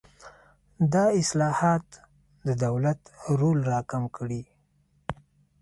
دا اصلاحات د دولت رول راکم کړي.